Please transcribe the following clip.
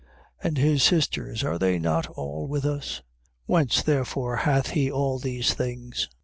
And his sisters, are they not all with us? Whence therefore hath he all these things?